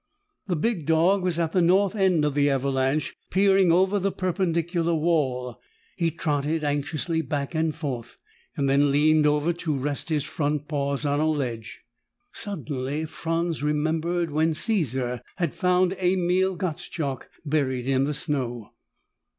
The big dog was at the north end of the avalanche, peering over the perpendicular wall. He trotted anxiously back and forth, then leaned over to rest his front paws on a ledge. Suddenly Franz remembered when Caesar had found Emil Gottschalk buried in the snow.